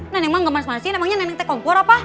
nenek mah gak manas manasin emangnya nenek teh kompor apa